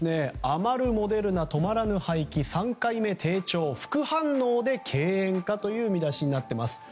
余るモデルナ、止まらぬ廃棄３回目低調副反応で敬遠かという見出しになっています。